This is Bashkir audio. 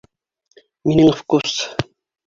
Минең вкус!